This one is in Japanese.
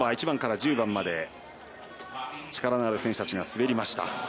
１番から１０番まで力のある選手たちが滑りました。